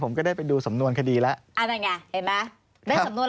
ผมก็ได้ไปดูสำนวนคดีแล้วอ่านั่นไงเห็นไหมได้สำนวน